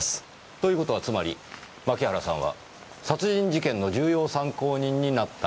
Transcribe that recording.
という事はつまり槇原さんは殺人事件の重要参考人になったという事でしょうか？